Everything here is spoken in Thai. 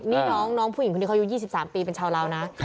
นี่น้องผู้หญิงคนนี้เขาอายุ๒๓ปีเป็นชาวลาวนะ